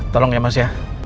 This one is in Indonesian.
tolong ya mas ya